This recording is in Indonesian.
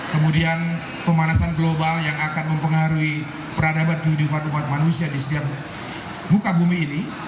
kemudian pemanasan global yang akan mempengaruhi peradaban kehidupan umat manusia di setiap buka bumi ini